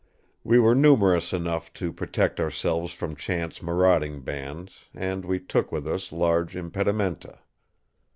We were numerous enough to protect ourselves from chance marauding bands, and we took with us large impedimenta.